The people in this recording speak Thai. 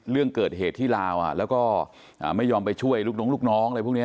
เรื่องเกิดเหตุที่ลาวแล้วก็ไม่ยอมไปช่วยลูกน้องลูกน้องอะไรพวกนี้